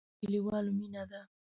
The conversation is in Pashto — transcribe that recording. پنېر د کلیوالو مینه ده.